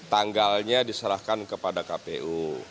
tanggalnya diserahkan kepada kpu